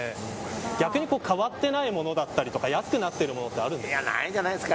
逆に変わってないものだったり安くなってるものってあるんですか。